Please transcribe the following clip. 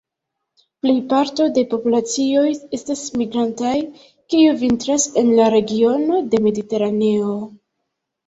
Plej parto de populacioj estas migrantaj, kiu vintras en la regiono de Mediteraneo.